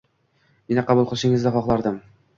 Meni qabul qilishingizni xohlardim.